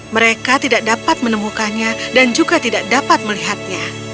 mereka tidak dapat menemukannya dan juga tidak dapat melihatnya